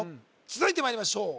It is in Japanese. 続いてまいりましょう